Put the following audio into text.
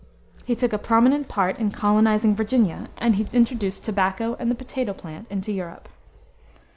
He took a prominent part in colonizing Virginia, and he introduced tobacco and the potato plant into Europe.